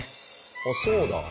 おっそうだ！